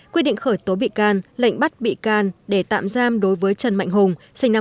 quyết định khởi tố bị can lệnh bắt bị can để tạm giam đối với trần mạnh hùng sinh năm một nghìn chín trăm tám